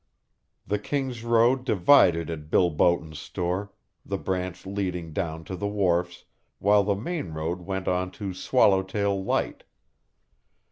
The King's Road divided at Bill Boughton's store, the branch leading down to the wharfs, while the main road went on to Swallowtail Light.